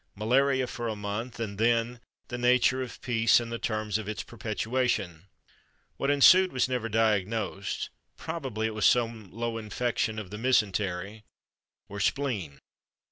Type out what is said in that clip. Malaria for a month, and then "The Nature of Peace and the Terms of Its Perpetuation." What ensued was never diagnosed; probably it was some low infection of the mesentery or spleen.